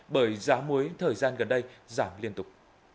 bởi giá muối thời gian gần đây giảm liên tục